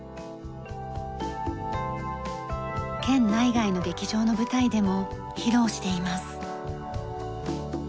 県内外の劇場の舞台でも披露しています。